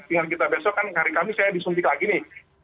tinggal kita besok kan hari kamis saya disuntik lagi nih